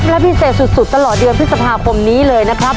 และพิเศษสุดตลอดเดือนพฤษภาคมนี้เลยนะครับ